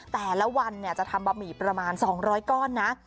แต่ละวันจะทำบะหมี่ประมาณ๒๐๐ก้อนนะ